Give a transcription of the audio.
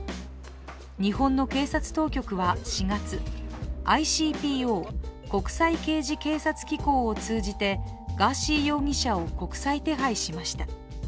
日本の警察当局は４月、ＩＣＰＯ＝国際刑事警察機構を通じてガーシー容疑者を国際手配しました。